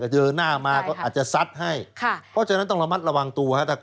เจอหน้ามาก็อาจจะซัดให้เพราะฉะนั้นต้องระมัดระวังตัว